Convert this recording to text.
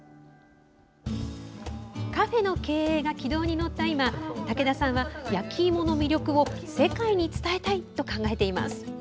カフェの経営が軌道に乗った今武田さんは焼きいもの魅力を世界に伝えたいと考えています。